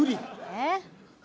えっ？